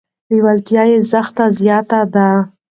لیوالتیا یې زښته زیاته ده.